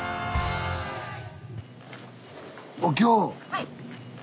はい。